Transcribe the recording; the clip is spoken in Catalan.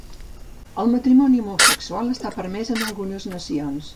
El matrimoni homosexual està permès en algunes nacions